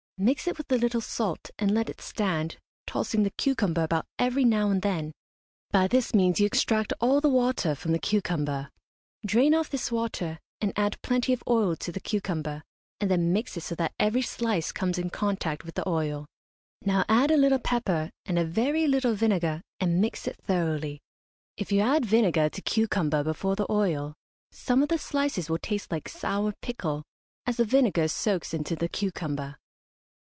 Mix it with a little salt, and let it stand, tossing the cucumber about every now and then. By this means you extract all the water from the cucumber. Drain off this water, and add plenty of oil to the cucumber, and then mix it so that every slice comes in contact with the oil. Now add a little pepper, and a very little vinegar, and mix it thoroughly. If you add vinegar to cucumber before the oil some of the slices will taste like sour pickle, as the vinegar soaks into the cucumber.